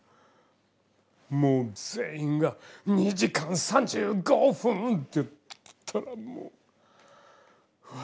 もう全員が「２時間３５分」って言ったらもう「うわ